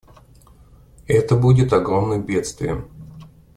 Это будет огромным бедствием.